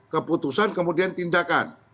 keputusan kemudian tindakan